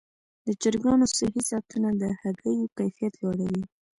د چرګانو صحي ساتنه د هګیو کیفیت لوړوي.